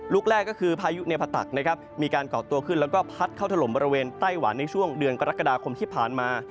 ลูกแรกก็คือพายุในผตักนะครับมีการก่อตัวขึ้นแล้วก็พัดเข้าถล่มบริเวณไต้หวันในช่วงเดือนกรกฎาคมที่ผ่านมา